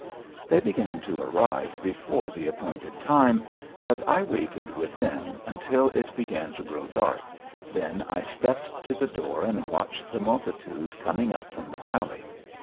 They began to arrive before the appointed time, but I waited within until it began to grow dark, then I stepped to the door and watched the multitude coming up from the valley.